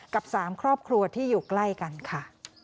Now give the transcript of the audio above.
กับ๓ครอบครัวที่อยู่ใกล้กันค่ะ